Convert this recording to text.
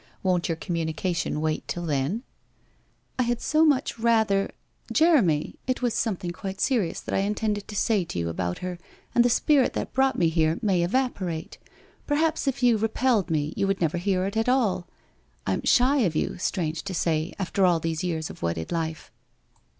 Won't your communication wait till then ?'' I had so much rather — Jeremy, it was something quite serious that I intended to say to you ahout her, and the spirit that brought me here may evaporate. Perhaps if you repelled me you would never hear it at all ? I am shy of you, strange to say, after all these years of wedded life.'